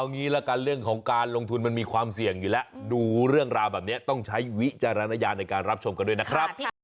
งี้ละกันเรื่องของการลงทุนมันมีความเสี่ยงอยู่แล้วดูเรื่องราวแบบนี้ต้องใช้วิจารณญาณในการรับชมกันด้วยนะครับ